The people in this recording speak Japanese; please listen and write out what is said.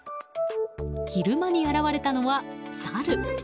昼間に現れたのはサル。